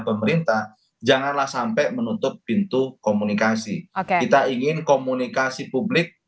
pemerintah janganlah sampai menutup pintu komunikasi kita ingin komunikasi publik